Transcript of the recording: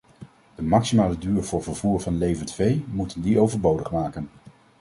De maximale duur voor vervoer van levend vee moeten die overbodig maken.